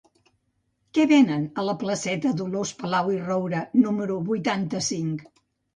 Què venen a la placeta de Dolors Palau i Roura número vuitanta-cinc?